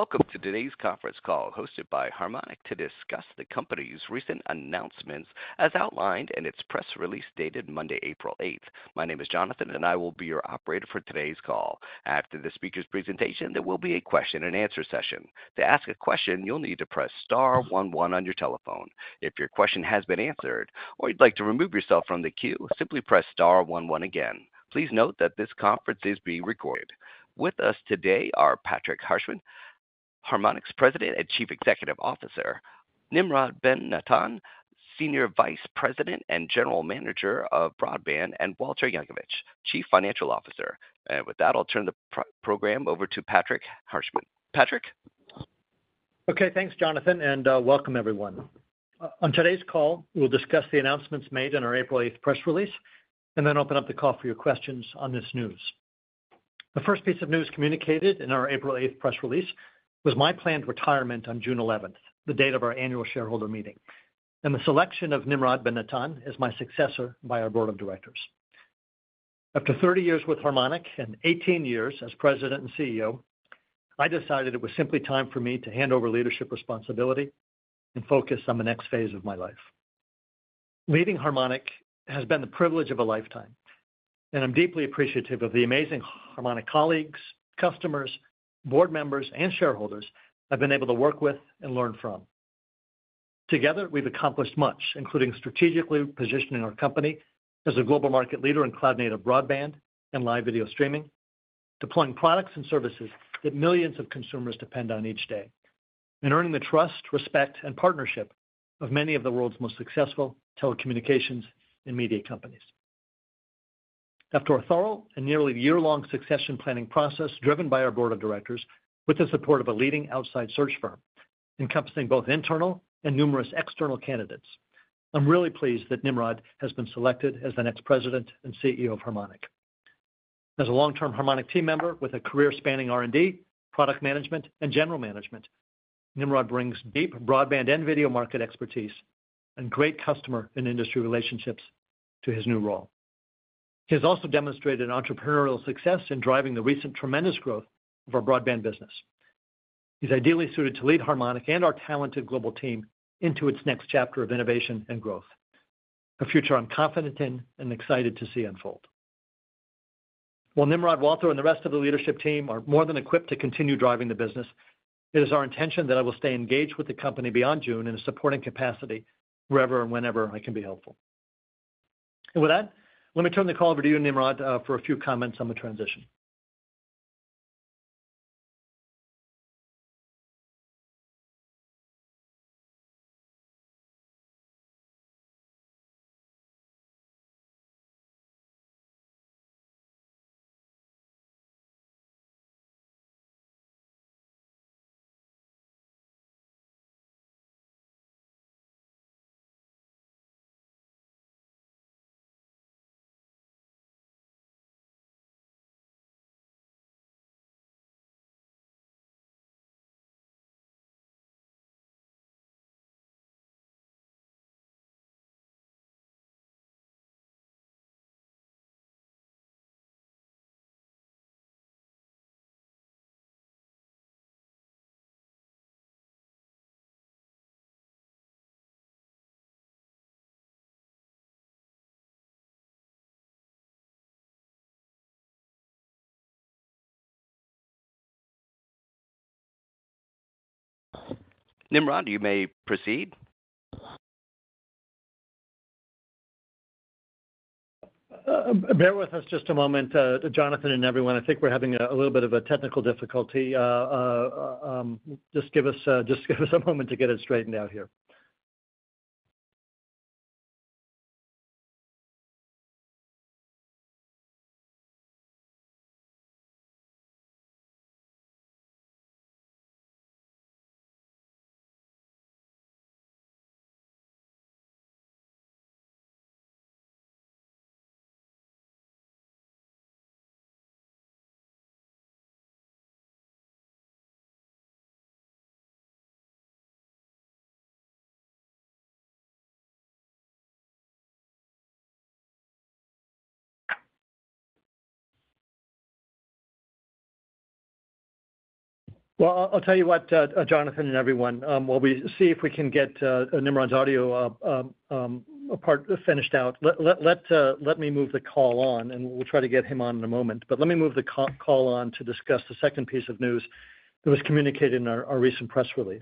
Welcome to today's conference call hosted by Harmonic to discuss the company's recent announcements as outlined in its press release dated Monday, April 8th. My name is Jonathan, and I will be your operator for today's call. After the speaker's presentation, there will be a question-and-answer session. To ask a question, you'll need to press star one one on your telephone. If your question has been answered or you'd like to remove yourself from the queue, simply press star one one again. Please note that this conference is being recorded. With us today are Patrick Harshman, Harmonic's President and Chief Executive Officer; Nimrod Ben-Natan, Senior Vice President and General Manager of Broadband; and Walter Jankovic, Chief Financial Officer. With that, I'll turn the program over to Patrick Harshman. Patrick? Okay, thanks, Jonathan, and welcome everyone. On today's call, we'll discuss the announcements made in our April 8th press release and then open up the call for your questions on this news. The first piece of news communicated in our April 8th press release was my planned retirement on June 11th, the date of our annual shareholder meeting, and the selection of Nimrod Ben-Natan as my successor by our board of directors. After 30 years with Harmonic and 18 years as President and CEO, I decided it was simply time for me to hand over leadership responsibility and focus on the next phase of my life. Leading Harmonic has been the privilege of a lifetime, and I'm deeply appreciative of the amazing Harmonic colleagues, customers, board members, and shareholders I've been able to work with and learn from. Together, we've accomplished much, including strategically positioning our company as a global market leader in cloud-native broadband and live video streaming, deploying products and services that millions of consumers depend on each day, and earning the trust, respect, and partnership of many of the world's most successful telecommunications and media companies. After a thorough and nearly year-long succession planning process driven by our board of directors with the support of a leading outside search firm encompassing both internal and numerous external candidates, I'm really pleased that Nimrod has been selected as the next President and CEO of Harmonic. As a long-term Harmonic team member with a career spanning R&D, product management, and general management, Nimrod brings deep broadband and video market expertise and great customer and industry relationships to his new role. He has also demonstrated entrepreneurial success in driving the recent tremendous growth of our broadband business. He's ideally suited to lead Harmonic and our talented global team into its next chapter of innovation and growth, a future I'm confident in and excited to see unfold. While Nimrod, Walter, and the rest of the leadership team are more than equipped to continue driving the business, it is our intention that I will stay engaged with the company beyond June in a supporting capacity wherever and whenever I can be helpful. And with that, let me turn the call over to you, Nimrod, for a few comments on the transition. Nimrod, you may proceed. Bear with us just a moment, Jonathan and everyone. I think we're having a little bit of a technical difficulty. Just give us a moment to get it straightened out here. Well, I'll tell you what, Jonathan and everyone, while we see if we can get Nimrod's audio part finished out, let me move the call on, and we'll try to get him on in a moment. But let me move the call on to discuss the second piece of news that was communicated in our recent press release.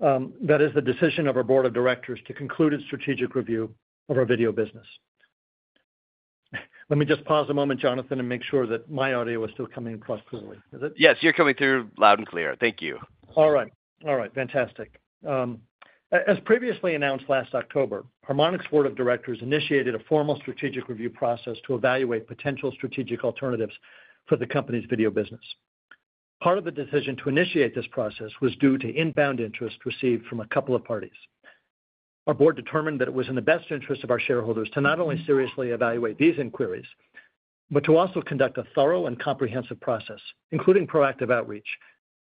That is the decision of our board of directors to conclude its strategic review of our video business. Let me just pause a moment, Jonathan, and make sure that my audio is still coming across clearly. Is it? Yes, you're coming through loud and clear. Thank you. All right. All right. Fantastic. As previously announced last October, Harmonic's board of directors initiated a formal strategic review process to evaluate potential strategic alternatives for the company's video business. Part of the decision to initiate this process was due to inbound interest received from a couple of parties. Our board determined that it was in the best interest of our shareholders to not only seriously evaluate these inquiries but to also conduct a thorough and comprehensive process, including proactive outreach,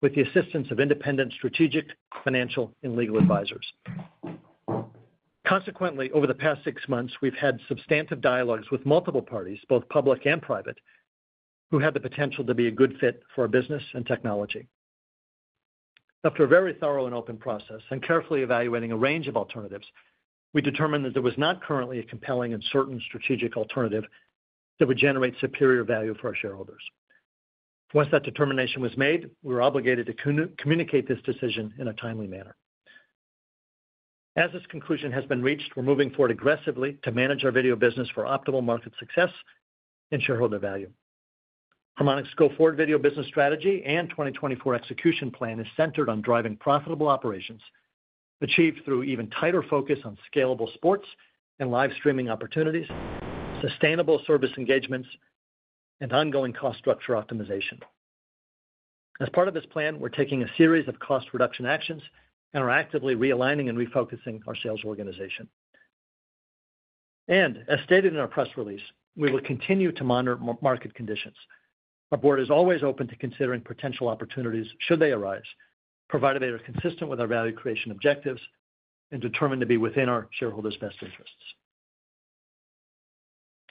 with the assistance of independent strategic, financial, and legal advisors. Consequently, over the past six months, we've had substantive dialogues with multiple parties, both public and private, who had the potential to be a good fit for our business and technology. After a very thorough and open process and carefully evaluating a range of alternatives, we determined that there was not currently a compelling and certain strategic alternative that would generate superior value for our shareholders. Once that determination was made, we were obligated to communicate this decision in a timely manner. As this conclusion has been reached, we're moving forward aggressively to manage our video business for optimal market success and shareholder value. Harmonic's go-forward video business strategy and 2024 execution plan is centered on driving profitable operations achieved through even tighter focus on scalable sports and live streaming opportunities, sustainable service engagements, and ongoing cost structure optimization. As part of this plan, we're taking a series of cost reduction actions and are actively realigning and refocusing our sales organization. As stated in our press release, we will continue to monitor market conditions. Our board is always open to considering potential opportunities should they arise, provided they are consistent with our value creation objectives and determined to be within our shareholders' best interests.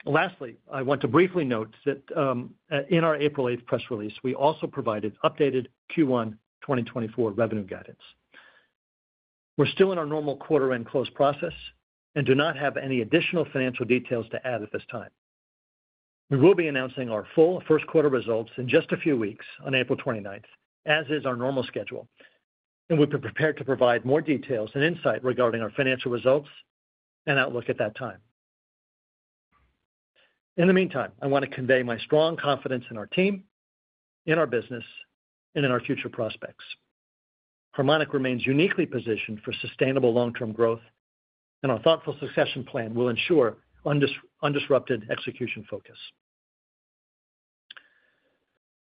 Lastly, I want to briefly note that, in our April 8th press release, we also provided updated Q1 2024 revenue guidance. We're still in our normal quarter-end close process and do not have any additional financial details to add at this time. We will be announcing our full first quarter results in just a few weeks on April 29th, as is our normal schedule, and we'll be prepared to provide more details and insight regarding our financial results and outlook at that time. In the meantime, I want to convey my strong confidence in our team, in our business, and in our future prospects. Harmonic remains uniquely positioned for sustainable long-term growth, and our thoughtful succession plan will ensure uninterrupted execution focus.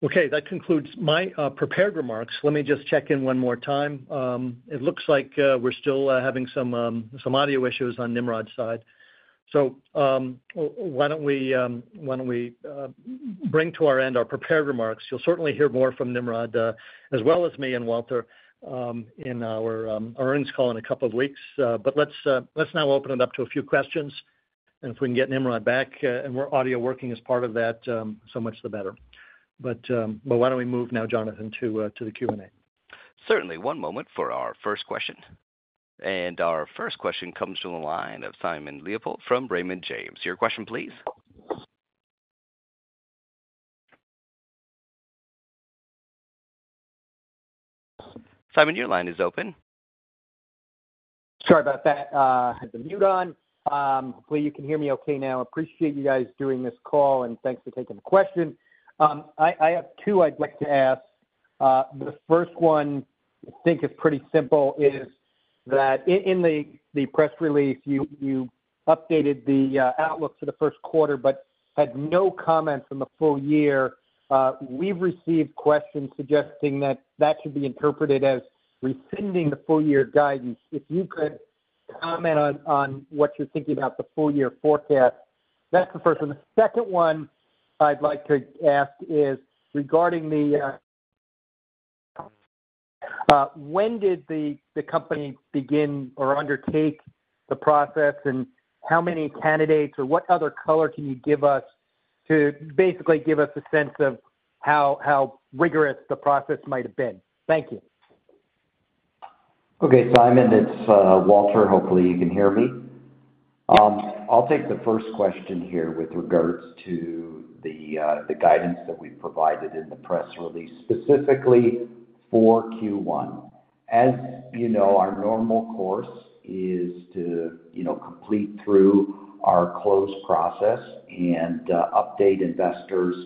Okay, that concludes my prepared remarks. Let me just check one more time. It looks like we're still having some audio issues on Nimrod's side. So, why don't we bring to an end our prepared remarks? You'll certainly hear more from Nimrod, as well as me and Walter, in our earnings call in a couple of weeks. But let's now open it up to a few questions. And if we can get Nimrod back, and get our audio working as part of that, so much the better. But why don't we move now, Jonathan, to the Q&A? Certainly. One moment for our first question. Our first question comes from the line of Simon Leopold from Raymond James. Your question, please. Simon, your line is open. Sorry about that. Had the mute on. Hopefully you can hear me okay now. Appreciate you guys doing this call, and thanks for taking the question. I, I have two I'd like to ask. The first one, I think, is pretty simple, is that in the, the press release, you, you updated the, outlook for the first quarter but had no comments on the full year. We've received questions suggesting that that should be interpreted as rescinding the full-year guidance. If you could comment on, on what you're thinking about the full-year forecast. That's the first one. The second one I'd like to ask is regarding the, when did the, the company begin or undertake the process, and how many candidates, or what other color can you give us to basically give us a sense of how, how rigorous the process might have been? Thank you. Okay, Simon. It's Walter. Hopefully you can hear me. I'll take the first question here with regards to the guidance that we provided in the press release, specifically for Q1. As you know, our normal course is to, you know, complete through our closed process and update investors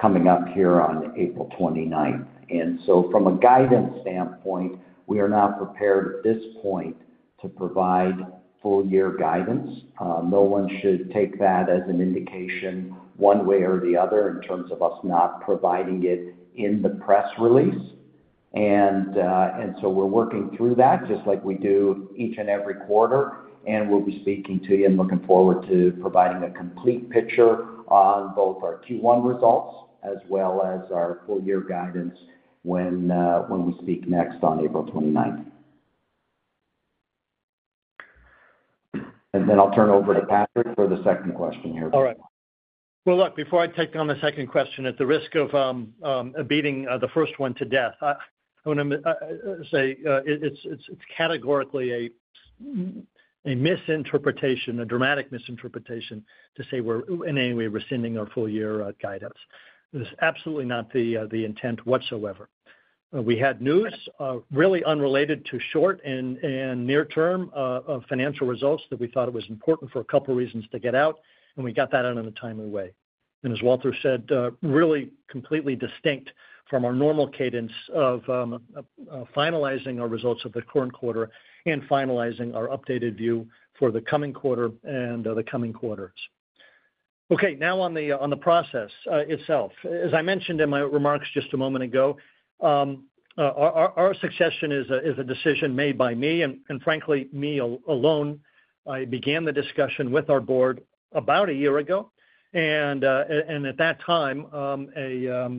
coming up here on April 29th. And so from a guidance standpoint, we are not prepared at this point to provide full-year guidance. No one should take that as an indication one way or the other in terms of us not providing it in the press release. And so we're working through that just like we do each and every quarter, and we'll be speaking to you and looking forward to providing a complete picture on both our Q1 results as well as our full-year guidance when we speak next on April 29th. And then I'll turn over to Patrick for the second question here. All right. Well, look, before I take on the second question, at the risk of beating the first one to death, I want to say it's categorically a misinterpretation, a dramatic misinterpretation, to say we're in any way rescinding our full-year guidance. That is absolutely not the intent whatsoever. We had news, really unrelated to short and near-term financial results that we thought it was important for a couple of reasons to get out, and we got that out in a timely way. And as Walter said, really completely distinct from our normal cadence of finalizing our results of the current quarter and finalizing our updated view for the coming quarter and the coming quarters. Okay, now on the process itself. As I mentioned in my remarks just a moment ago, our succession is a decision made by me. And frankly, me alone, I began the discussion with our board about a year ago. And at that time, a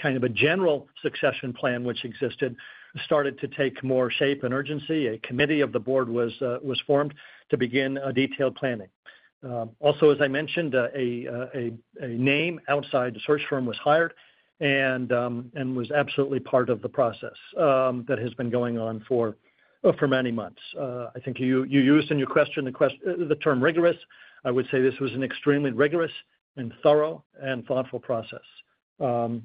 kind of a general succession plan which existed started to take more shape and urgency. A committee of the board was formed to begin a detailed planning. Also, as I mentioned, an outside search firm was hired and was absolutely part of the process that has been going on for many months. I think you used in your question the term rigorous. I would say this was an extremely rigorous and thorough and thoughtful process. And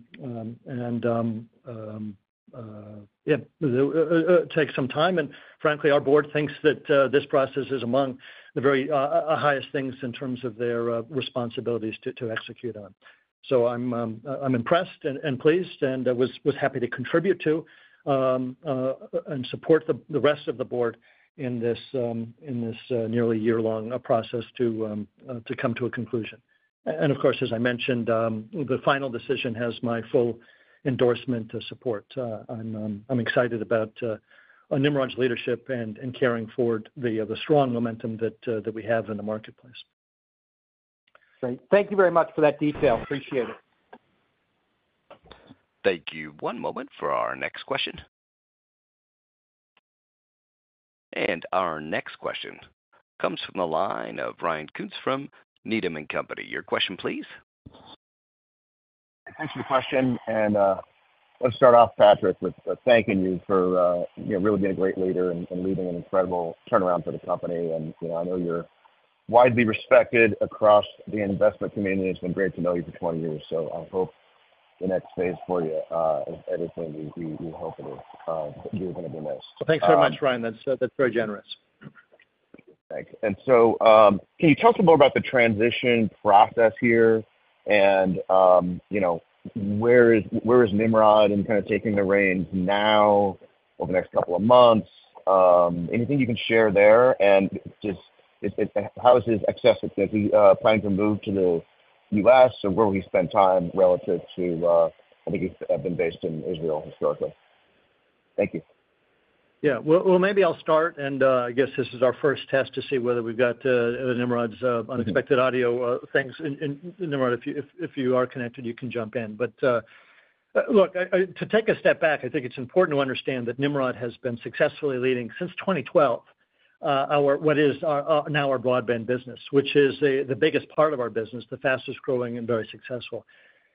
yeah, that takes some time. And frankly, our board thinks that this process is among the very highest things in terms of their responsibilities to execute on. So I'm impressed and pleased, and was happy to contribute to and support the rest of the board in this nearly year-long process to come to a conclusion. And, of course, as I mentioned, the final decision has my full endorsement to support. I'm excited about Nimrod's leadership and carrying forward the strong momentum that we have in the marketplace. Great. Thank you very much for that detail. Appreciate it. Thank you. One moment for our next question. Our next question comes from the line of Ryan Koontz from Needham & Company. Your question, please. Thanks for the question. Let's start off, Patrick, with thanking you for, you know, really being a great leader and leading an incredible turnaround for the company. You know, I know you're widely respected across the investment community. It's been great to know you for 20 years. So I hope the next phase for you is everything we hope it is. You're going to be amazed. Thanks very much, Ryan. That's, that's very generous. Thanks. And so, can you tell us a little more about the transition process here and, you know, where is Nimrod in kind of taking the reins now over the next couple of months? Anything you can share there and just how is his access? Is he planning to move to the U.S., or where will he spend time relative to, I think he's been based in Israel historically. Thank you. Yeah. Well, well, maybe I'll start. And, I guess this is our first test to see whether we've got Nimrod's unexpected audio things. And Nimrod, if you are connected, you can jump in. But look, I, I to take a step back, I think it's important to understand that Nimrod has been successfully leading since 2012 our what is our, now our broadband business, which is the biggest part of our business, the fastest growing and very successful,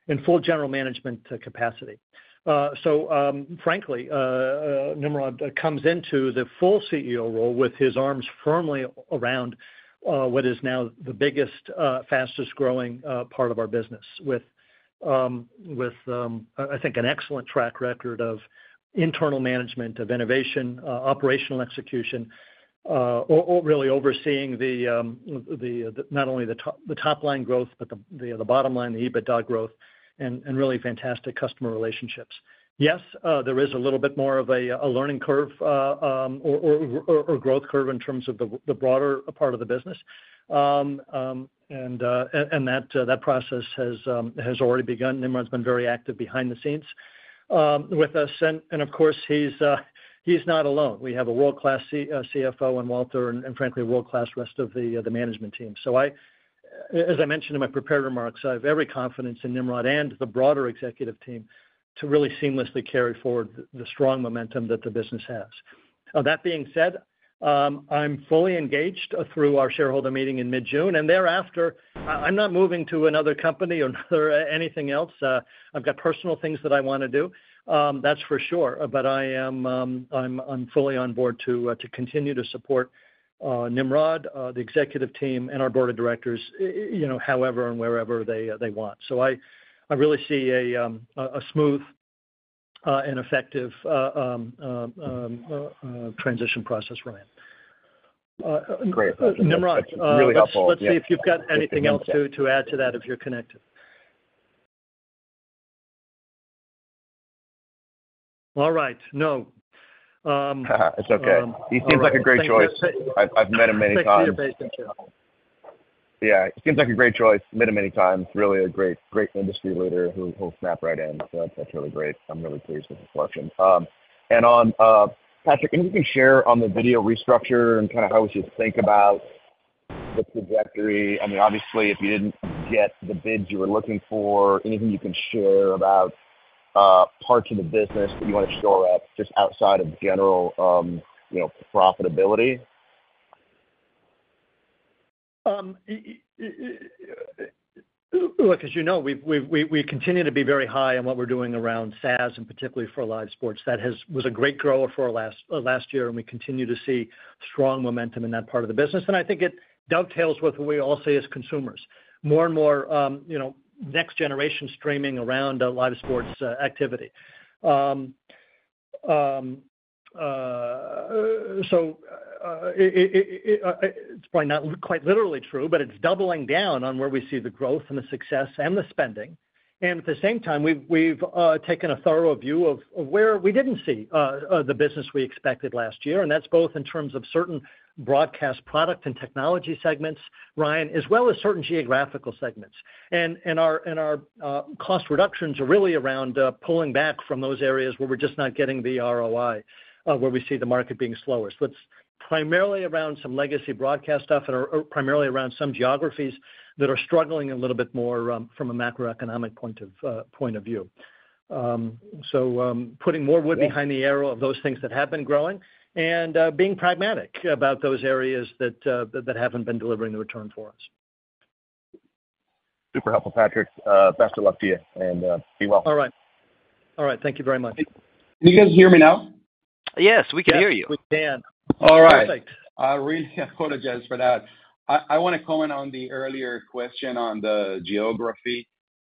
in full general management capacity. So, frankly, Nimrod comes into the full CEO role with his arms firmly around what is now the biggest, fastest growing part of our business, with I think an excellent track record of internal management, of innovation, operational execution, or really overseeing the not only the top-line growth but the bottom line, the EBITDA growth, and really fantastic customer relationships. Yes, there is a little bit more of a learning curve, or growth curve in terms of the broader part of the business. And that process has already begun. Nimrod's been very active behind the scenes with us. And of course, he's not alone. We have a world-class CFO, Walter, and frankly world-class rest of the management team. So as I mentioned in my prepared remarks, I have every confidence in Nimrod and the broader executive team to really seamlessly carry forward the strong momentum that the business has. That being said, I'm fully engaged through our shareholder meeting in mid-June. And thereafter, I'm not moving to another company or another anything else. I've got personal things that I want to do, that's for sure. But I am fully on board to continue to support Nimrod, the executive team, and our board of directors, you know, however and wherever they want. So I really see a smooth and effective transition process, Ryan. Great. Nimrod, let's see if you've got anything else to add to that if you're connected. All right. No. It's okay. He seems like a great choice. I've met him many times. Thanks for your patience. Yeah. He seems like a great choice, met him many times, really a great, great industry leader who, who'll snap right in. So that's, that's really great. I'm really pleased with his selection. And on Patrick, anything you can share on the video restructure and kind of how we should think about the trajectory? I mean, obviously, if you didn't get the bids you were looking for, anything you can share about parts of the business that you want to shore up just outside of general, you know, profitability? Look, as you know, we continue to be very high on what we're doing around SaaS and particularly for live sports. That was a great grower for our last year, and we continue to see strong momentum in that part of the business. And I think it dovetails with what we all say as consumers, more and more, you know, next-generation streaming around live sports activity. So, it’s probably not quite literally true, but it's doubling down on where we see the growth and the success and the spending. And at the same time, we've taken a thorough view of where we didn't see the business we expected last year. And that's both in terms of certain broadcast product and technology segments, Ryan, as well as certain geographical segments. Our cost reductions are really around pulling back from those areas where we're just not getting the ROI, where we see the market being slowest. So it's primarily around some legacy broadcast stuff and primarily around some geographies that are struggling a little bit more, from a macroeconomic point of view. So, putting more wood behind the arrow of those things that have been growing and being pragmatic about those areas that haven't been delivering the return for us. Super helpful, Patrick. Best of luck to you, and, be well. All right. All right. Thank you very much. Can you guys hear me now? Yes, we can hear you. Yes, we can. All right. Perfect. I really apologize for that. I, I want to comment on the earlier question on the geography.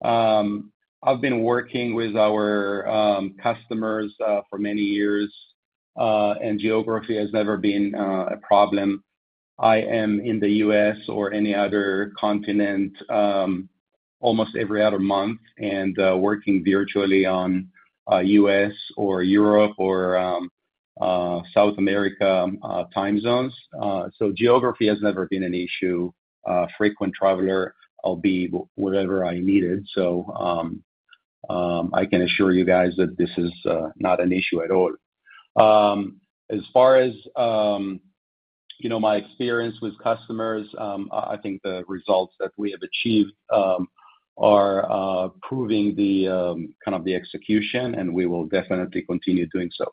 I've been working with our, customers, for many years, and geography has never been, a problem. I am in the U.S. or any other continent, almost every other month and, working virtually on, U.S. or Europe or, South America, time zones. So geography has never been an issue. Frequent traveler, I'll be wherever I needed. So, I can assure you guys that this is, not an issue at all. As far as, you know, my experience with customers, I, I think the results that we have achieved, are, proving the, kind of the execution, and we will definitely continue doing so.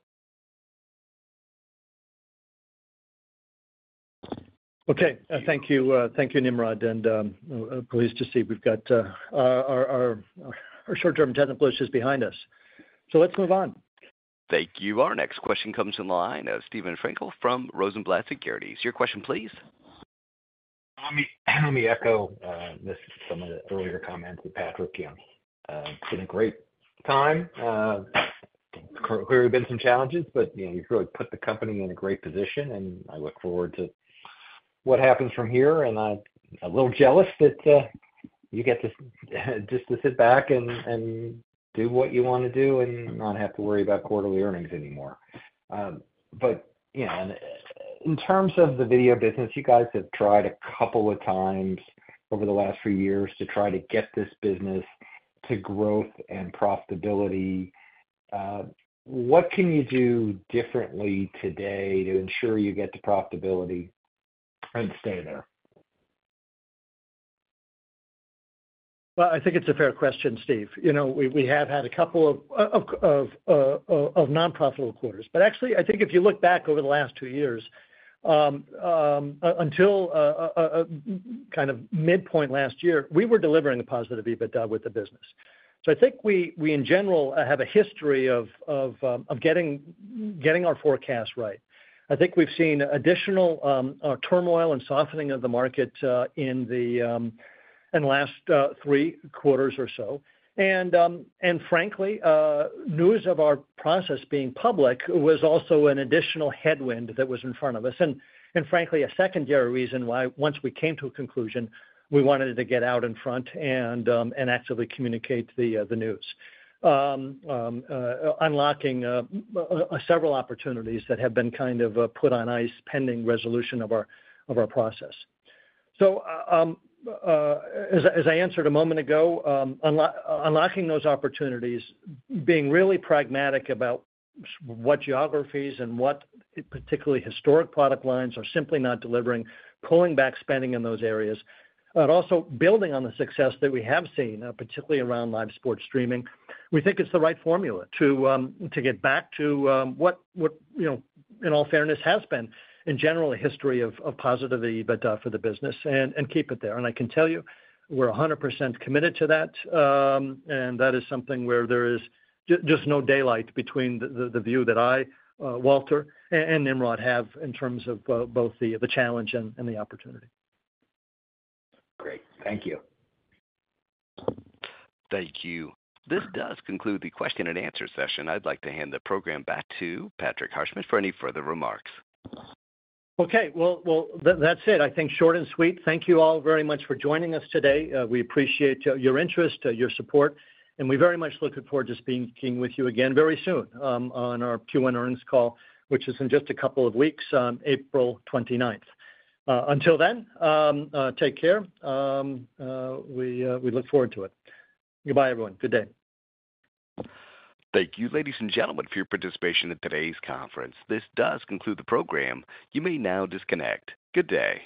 Okay. Thank you. Thank you, Nimrod. Pleased to see we've got our short-term technical issues behind us. So let's move on. Thank you. Our next question comes in line of Steven Frankel from Rosenblatt Securities. Your question, please. Let me echo some of the earlier comments of Patrick. It's been a great time. Clearly been some challenges, but you know, you've really put the company in a great position, and I look forward to what happens from here. I'm a little jealous that you get to just sit back and do what you want to do and not have to worry about quarterly earnings anymore. But you know, in terms of the video business, you guys have tried a couple of times over the last few years to try to get this business to growth and profitability. What can you do differently today to ensure you get to profitability and stay there? Well, I think it's a fair question, Steve. You know, we have had a couple of nonprofitable quarters. But actually, I think if you look back over the last two years, until kind of midpoint last year, we were delivering a positive EBITDA with the business. So I think we in general have a history of getting our forecasts right. I think we've seen additional turmoil and softening of the market in the last three quarters or so. And frankly, news of our process being public was also an additional headwind that was in front of us. And frankly, a secondary reason why once we came to a conclusion, we wanted to get out in front and actively communicate the news, unlocking several opportunities that have been kind of put on ice pending resolution of our process. So, as I answered a moment ago, unlocking those opportunities, being really pragmatic about what geographies and what particularly historic product lines are simply not delivering, pulling back spending in those areas, but also building on the success that we have seen, particularly around live sports streaming, we think it's the right formula to get back to what you know, in all fairness, has been in general a history of positive EBITDA for the business and keep it there. And I can tell you we're 100% committed to that. and that is something where there is just no daylight between the view that I, Walter and Nimrod have in terms of both the challenge and the opportunity. Great. Thank you. Thank you. This does conclude the question-and-answer session. I'd like to hand the program back to Patrick Harshman for any further remarks. Okay. Well, well, that's it. I think short and sweet. Thank you all very much for joining us today. We appreciate your interest, your support. We very much look forward to speaking with you again very soon, on our Q&A earnings call, which is in just a couple of weeks, April 29th. Until then, take care. We look forward to it. Goodbye, everyone. Good day. Thank you, ladies and gentlemen, for your participation in today's conference. This does conclude the program. You may now disconnect. Good day.